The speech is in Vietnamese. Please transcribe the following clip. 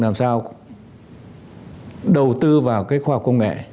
làm sao đầu tư vào cái khoa học công nghệ